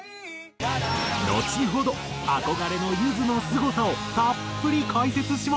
のちほど憧れのゆずのすごさをたっぷり解説します。